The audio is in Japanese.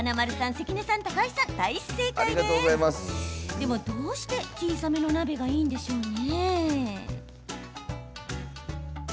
でも、どうして小さめの鍋がいいのでしょうか？